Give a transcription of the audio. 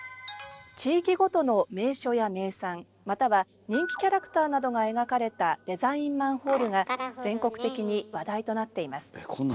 地域ごとの名所や名産または人気キャラクターなどが描かれたデザインマンホールが全国的に話題となっています。